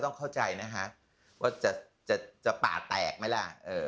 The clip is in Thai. ต้องเข้าใจว่าจะป่าแตกไหมล่ะ